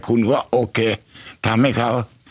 คุณก็โอเคทำให้เขา